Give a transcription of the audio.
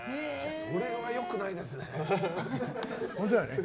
それは良くないですね。